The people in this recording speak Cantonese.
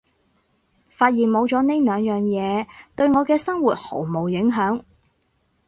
發現冇咗呢兩樣嘢對我嘅生活毫無影響